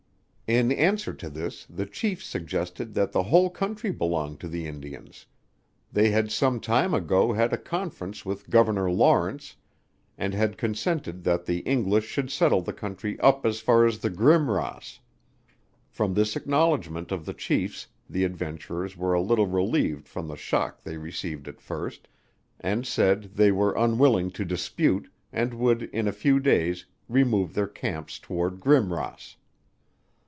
In answer to this the Chiefs suggested that the whole country belonged to the Indians, they had some time ago, had a conference with Governor LAWRENCE, and had consented that the English should settle the country up as far as the Grimross: from this acknowledgment of the Chiefs, the adventurers were a little relieved from the shock they received at first, and said, they were unwilling to dispute, and would in a few days, remove their camps towards Grimross.